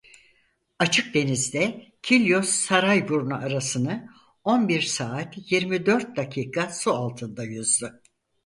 Açık denizde Kilyos-Sarayburnu arasını on bir saat yirmi dört dakika su altında yüzdü.